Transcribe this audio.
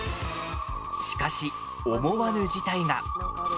しかし、思わぬ事態が。